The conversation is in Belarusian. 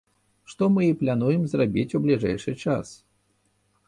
Што мы і плануем зрабіць у бліжэйшы час.